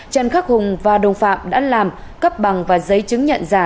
trần khắc hùng và đồng phạm đã làm cấp bằng và giấy chứng nhận giả